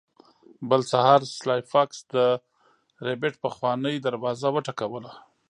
بل سهار سلای فاکس د ربیټ پخوانۍ دروازه وټکوله